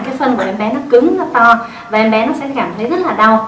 cái phân của em bé nó cứng nó to